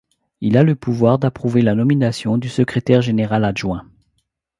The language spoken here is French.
Il a le pouvoir d’approuver la nomination du Secrétaire général adjoint.